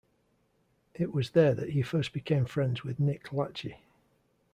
It was there that he first became friends with Nick Lachey.